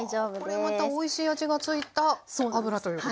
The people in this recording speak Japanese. あこれまたおいしい味がついた油ということですか？